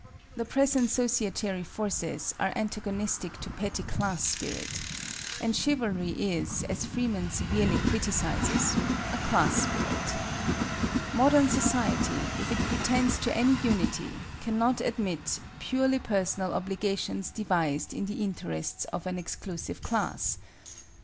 The present societary forces are antagonistic to petty class spirit, and Chivalry is, as Freeman severely criticizes, a class spirit. Modern society, if it pretends to any unity, cannot admit "purely personal obligations devised in the interests of an exclusive class."